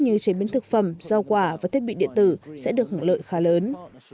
như chế biến thực phẩm rau quả và thiết bị điện tử sẽ được hưởng lợi khá lớn